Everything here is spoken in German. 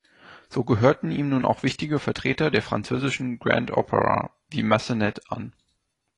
So gehörten ihm nun auch wichtige Vertreter der französischen Grand Opera, wie Massenet an.